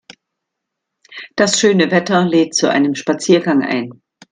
Das schöne Wetter lädt zu einem Spaziergang ein.